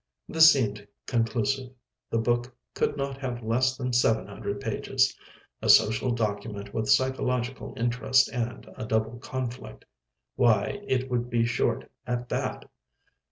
This seemed conclusive. The book could not have less than 700 pages. A social document with psychological interest and a double conflict. Why, it would be short at that.